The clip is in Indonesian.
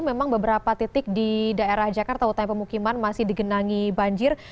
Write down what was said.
memang beberapa titik di daerah jakarta utara pemukiman masih digenangi banjir